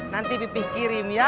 nanti pipih kirim ya